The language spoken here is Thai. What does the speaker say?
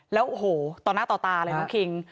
แล้วโอ้โหต่อหน้าต่อตาเลยน้องคิง